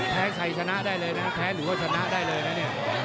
ใครชนะได้เลยนะแพ้หรือว่าชนะได้เลยนะเนี่ย